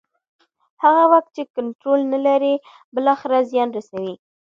هغه واک چې کنټرول نه لري بالاخره زیان رسوي